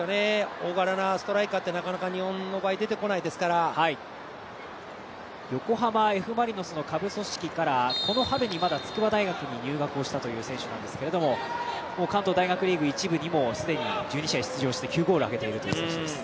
大柄なストライカーって、日本の場合横浜Ｆ・マリノスの下部組織からこの春にまだ筑波大学に入学をしたという選手なんですけれども関東大学リーグ１部にも既に１２試合出場して９ゴール挙げている選手です。